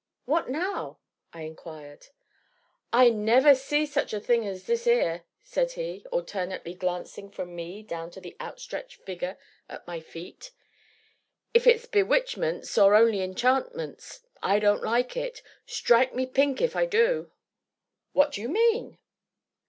"What now?" I inquired. "I never see such a thing as this 'ere," said he, alternately glancing from me down to the outstretched figure at my feet, "if it's bewitchments, or only enchantments, I don't like it strike me pink if I do!" "What do you mean?"